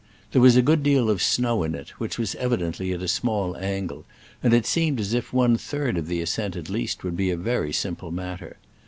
There was a good deal of snow in it, which was evidently at a small angle, and it seemed as if one third of the ascent, at least, would be a very simple matter.